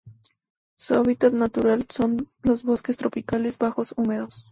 Su hábitat natural son los bosques tropicales bajos húmedos.